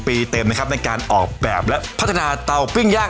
เพราะมันปิ้งแบบ